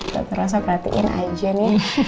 gak terasa perhatiin aja nih